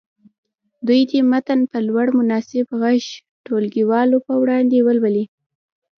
دوی دې متن په لوړ مناسب غږ ټولګیوالو په وړاندې ولولي.